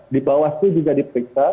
di bawaslu juga diperiksa